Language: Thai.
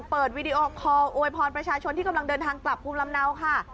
วีดีโอคอลอวยพรประชาชนที่กำลังเดินทางกลับภูมิลำเนาค่ะ